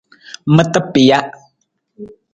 Mata pija.